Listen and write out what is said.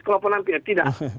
kalau penampil tidak